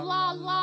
あ。